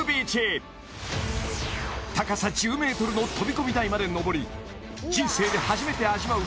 高さ１０ｍの飛び込み台まで上り人生で初めて味わう